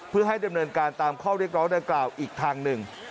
เพื่อให้ดำเนินการตามข้อเรียกร้องดังกล่าวอีกทางหนึ่ง